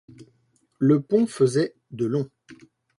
Le pont faisait de long.